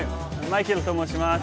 マイケルと申します。